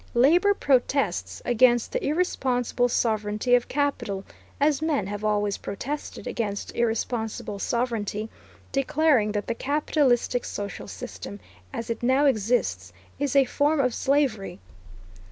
Labor protests against the irresponsible sovereignty of capital, as men have always protested against irresponsible sovereignty, declaring that the capitalistic social system, as it now exists, is a form of slavery.